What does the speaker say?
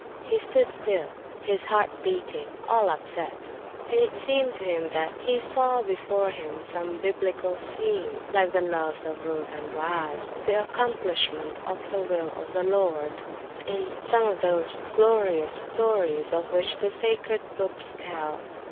He stood still, his heart beating, all upset; and it seemed to him that he saw before him some biblical scene, like the loves of Ruth and Boaz, the accomplishment of the will of the Lord, in some of those glorious stories of which the sacred books tell.